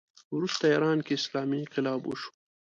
وروسته ایران کې اسلامي انقلاب وشو